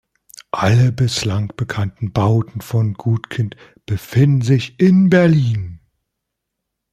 Alle bislang bekannten Bauten von Gutkind befinden sich in Berlin.